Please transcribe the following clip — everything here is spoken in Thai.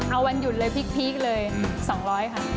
เอาวันหยุดเลยพีคเลย๒๐๐ค่ะ